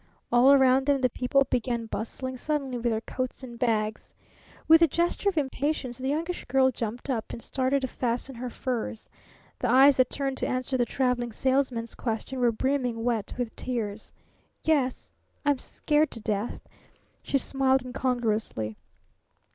All around them the people began bustling suddenly with their coats and bags. With a gesture of impatience the Youngish Girl jumped up and started to fasten her furs. The eyes that turned to answer the Traveling Salesman's question were brimming wet with tears. "Yes I'm scared to death!" she smiled incongruously.